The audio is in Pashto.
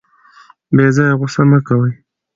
بې ځایه غوسه مه کوئ.